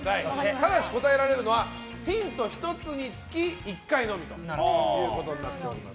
ただし、答えられるのはヒント１つにつき１回のみとなっています。